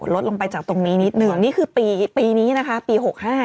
ลดลงไปจากตรงนี้นิดหนึ่งนี่คือปีนี้นะคะปี๖๕